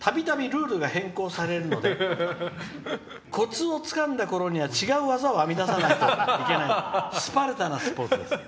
たびたびルールが変化されるのでコツをつかんだころには違う技を編み出さないといけないスパルタなスポーツです。